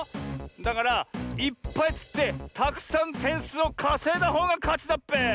だからいっぱいつってたくさんてんすうをかせいだほうがかちだっぺ！